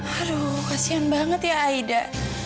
aduh kasian banget ya aida